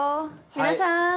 皆さん！